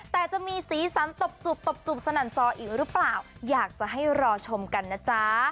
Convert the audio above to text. แต่จะมีสีสันตบจุบตบจุบสนั่นจออีกหรือเปล่าอยากจะให้รอชมกันนะจ๊ะ